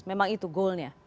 memang itu goalnya